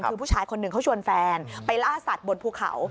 คือผู้ชายคนหนึ่งเขาชวนแฟนไปล่าสัตว์บนภูเขา